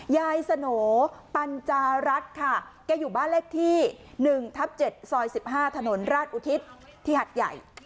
ยายสโหนปัญจารัฐค่ะแกอยู่บ้านเลขที่๑ทับ๗ซอย๑๕ถนนราชอุทิศที่หัดใหญ่